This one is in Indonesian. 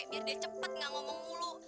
biar dia cepet gak ngomong mulu